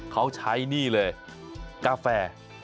เขาใช้นี่เลยกาแฟ